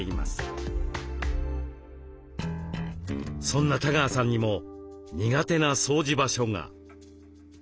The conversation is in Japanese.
そんな多川さんにも苦手な掃除場所が。